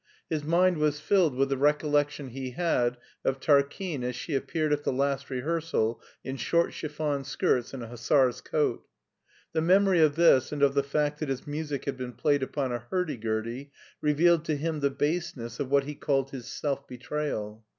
His mind was filled with the recollection he had of Tarquine as she appeared at the last rehearsal in short chiffon skirts and a hussar's coat. The memory of this and of the fact that his music had been played upon a hurdy gurdy revealed to him the baseness of what he called his self betrayal.